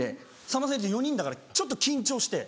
さんまさん入れて４人だからちょっと緊張して。